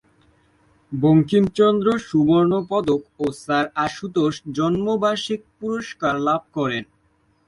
বঙ্কিমচন্দ্র সুবর্ণ পদক ও স্যার আশুতোষ জন্ম বার্ষিক পুরস্কার লাভ করেন।